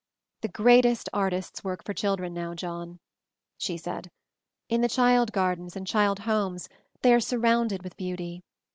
"The greatest artists work for children now, John," she said. "In the child gar dens and child homes they are surrounded with beauty.